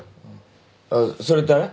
あっそれってあれ？